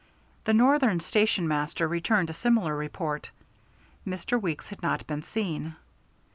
The Northern Station master returned a similar report: Mr. Weeks had not been seen.